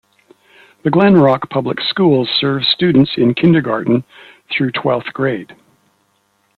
The Glen Rock Public Schools serve students in kindergarten through twelfth grade.